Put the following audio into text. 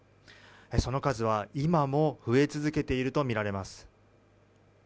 その数は今も増え続けているとみられます。